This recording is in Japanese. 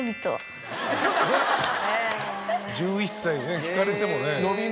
１１歳にね聞かれてもね。